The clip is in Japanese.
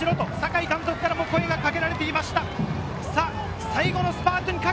酒井監督から声がかけられていました。